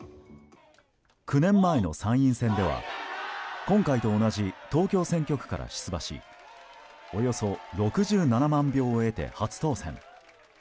９年前の参院選では今回と同じ東京選挙区から出馬しおよそ６７万票を得て初当選。